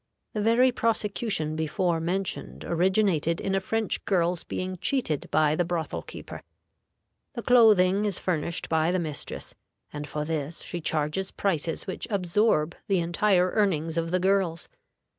The very prosecution before mentioned originated in a French girl's being cheated by the brothel keeper. The clothing is furnished by the mistress, and for this she charges prices which absorb the entire earnings of the girls.